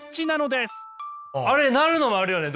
あれ鳴るのもあるよね。